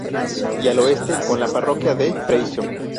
Y al oeste, con la parroquia de Freixo.